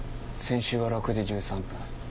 先週は６時１３分